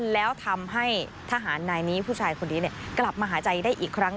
แล้วทำให้ทหารนายนี้ผู้ชายคนนี้กลับมาหาใจได้อีกครั้ง